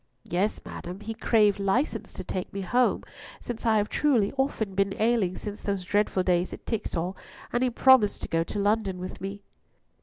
"Yea, madam; he craved license to take me home, since I have truly often been ailing since those dreadful days at Tixall, and he hath promised to go to London with me."